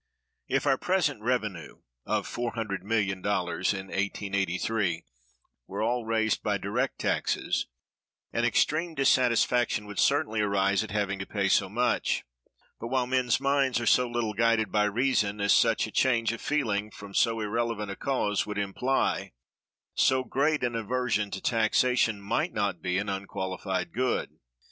If our present revenue [of $400,000,000 in 1883] were all raised by direct taxes, an extreme dissatisfaction would certainly arise at having to pay so much; but while men's minds are so little guided by reason, as such a change of feeling from so irrelevant a cause would imply, so great an aversion to taxation might not be an unqualified good.